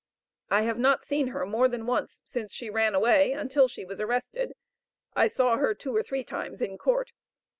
I have not seen her more than once since she ran away, until she was arrested; I saw her two or three times in court.